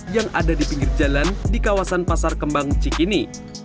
yang ada di pinggir jalan di kawasan pasar kembang cikini